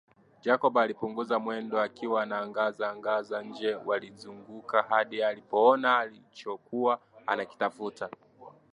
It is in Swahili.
Jacob alipunguza mwendo akiwa anaangaza angaza nje walizunguka hadi alipoona alichokuwa anakitafuta